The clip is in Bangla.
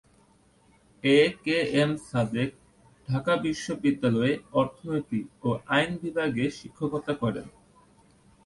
এ কে এম সাদেক ঢাকা বিশ্ববিদ্যালয়ে অর্থনীতি ও আইন বিভাগে শিক্ষকতা করেন।